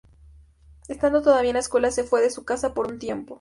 Estando todavía en la escuela, se fue de su casa por un tiempo.